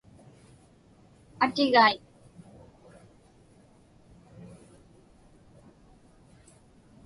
Atigaik.